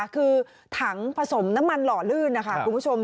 คือถังผสมน้ำมันหล่อลื่นนะคะคุณผู้ชม